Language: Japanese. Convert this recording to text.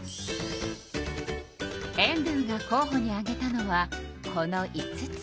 エンドゥが候ほに挙げたのはこの５つ。